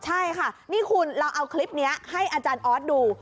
ใช่ค่ะนี่คุณเราเอาคลิปนี้ให้อาจารย์ออสดู